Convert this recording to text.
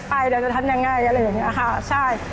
เราจะทำยังไงอะไรอย่างนี้ค่ะใช่